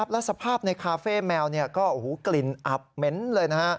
และสภาพในคาเฟ่แมวก็กลิ่นอับเหม็นเลย